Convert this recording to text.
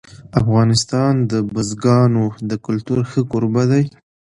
افغانستان د بزګانو د کلتور ښه کوربه دی.